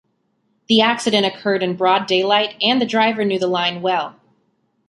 The accident occurred in broad daylight and the driver knew the line well.